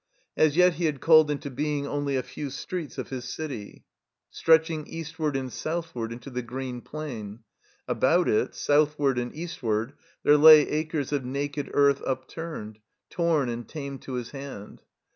As yet he had called into being only a few streets of his city, stretching eastward and southward into the green plain. About it, southward and eastward, there lay acres of naked earth upturned, torn and tamed to his hand.